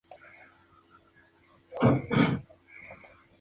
Cuando ellos aumentan su densidad, los animales se vuelven visibles.